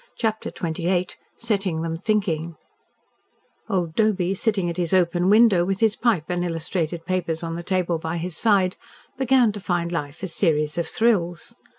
CHAPTER XXVIII SETTING THEM THINKING Old Doby, sitting at his open window, with his pipe and illustrated papers on the table by his side, began to find life a series of thrills.